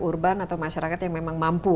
urban atau masyarakat yang memang mampu